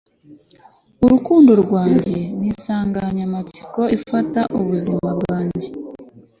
urukundo rwanjye ninsanganyamatsiko ifata ubuzima bwanjye